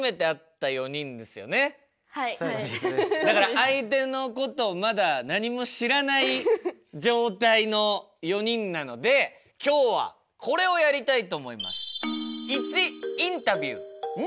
だから相手のことをまだ何も知らない状態の４人なので今日はこれをやりたいと思います。